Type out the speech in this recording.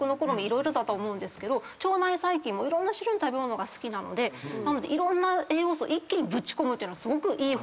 色々だと思うんですけど腸内細菌もいろんな種類の食べ物が好きなのでいろんな栄養素一気にぶち込むというのはすごくいい方法です。